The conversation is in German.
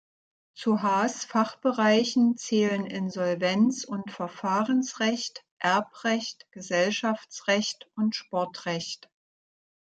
Zu Haas Fachbereichen zählen Insolvenz- und Verfahrensrecht, Erbrecht, Gesellschaftsrecht und Sportrecht.